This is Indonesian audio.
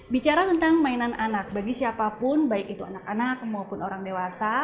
bicara tentang mainan anak bagi siapapun baik itu anak anak maupun orang dewasa